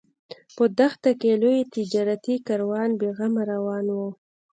په دښته کې لوی تجارتي کاروان بې غمه روان و.